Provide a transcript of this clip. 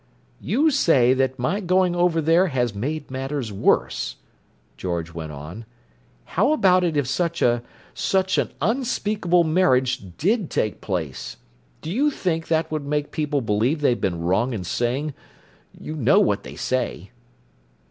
"You say that my going over there has made matters worse," George went on. "How about it if such a—such an unspeakable marriage did take place? Do you think that would make people believe they'd been wrong in saying—you know what they say."